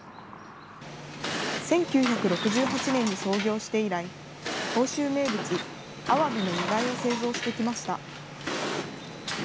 １９６８年に創業して以来、甲州名物、アワビの煮貝を製造してきました。